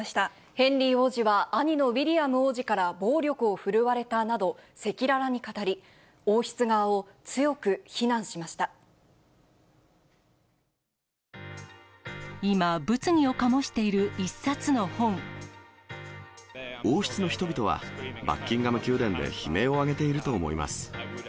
ヘンリー王子は、兄のウィリアム王子から暴力を振るわれたなど、赤裸々に語り、今、王室の人々は、バッキンガム宮殿で悲鳴を上げていると思います。